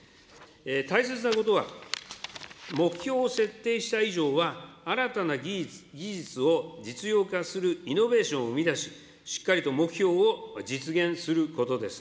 大切なことは目標を設定した以上は、新たな技術を実用化するイノベーションを生み出し、しっかりと目標を実現することです。